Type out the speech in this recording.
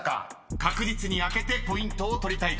［確実に開けてポイントを取りたいところです］